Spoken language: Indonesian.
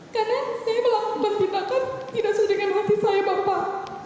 karena saya melakukan tindakan tidak sesuai dengan hati saya bapak